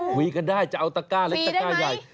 คุยกันได้จะเอาตะก้าเล็กตะก้าใหญ่